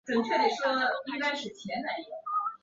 他现在效力于意大利足球甲级联赛球队热那亚。